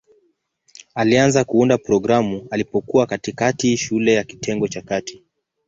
Alianza kuunda programu alipokuwa katikati shule ya kitengo cha kati.